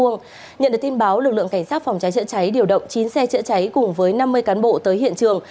nhận được tin báo lực lượng cảnh sát phòng cháy chữa cháy điều động chín xe chữa cháy cùng với năm mươi cán bộ tới hiện trường